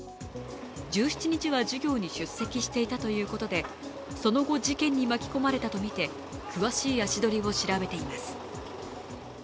１７日は授業に出席していたということでその後、事件に巻き込まれたとみて詳しい足取りを調べています。